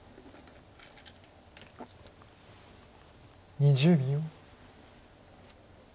２０秒。